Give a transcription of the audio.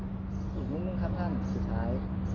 อีกนิดนึงครับท่านสุดท้าย